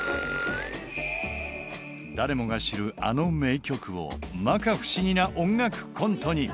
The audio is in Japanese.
誰もが知るあの名曲を摩訶不思議な音楽コントに。